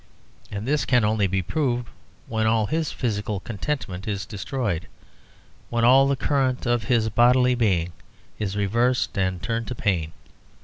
And this can only be proved when all his physical contentment is destroyed; when all the current of his bodily being is reversed and turned to pain.